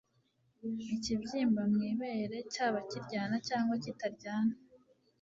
Ikibyimba mu ibere cyaba kiryana cyangwa kitaryana